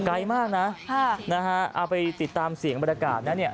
ไกลมากนะเอาไปติดตามเสียงบรรกาศนั้น